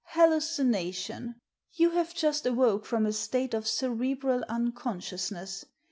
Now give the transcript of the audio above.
" Hallucination. You have just awoke from a state of cerebral unconsciousness.